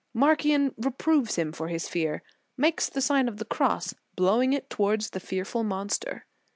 Marcian reproves him for his fear, makes the Sign of the Cross, blowing it towards the fearful monster.